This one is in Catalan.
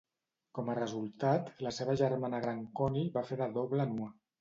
Com a resultat, la seva germana gran Connie va fer de doble nua.